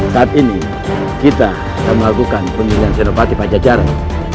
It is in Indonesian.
saat ini kita akan melakukan penilaian senopati pajak jalan